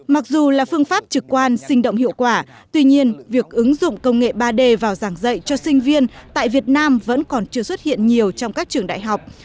mặc dù là phương pháp trực quan sinh động hiệu quả tuy nhiên việc ứng dụng công nghệ ba d vào giảng dạy cho sinh viên tại việt nam vẫn còn chưa xuất hiện nhiều trong các trường đại học